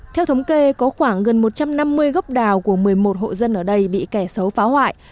theo thống kê có khoảng gần một trăm năm mươi gốc đào của một mươi một hộ dân ở đây bị kẻ xấu phá hoại